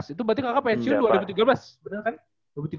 dua ribu lima belas itu berarti kakak pensiun dua ribu tiga belas